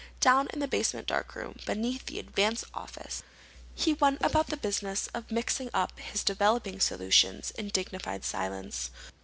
Down in the basement darkroom, beneath the Advance office, he went about the business of mixing up his developing solutions in dignified silence.